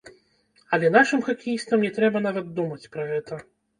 Але нашым хакеістам не трэба нават думаць пра гэта!